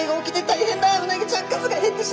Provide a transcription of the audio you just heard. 大変だ。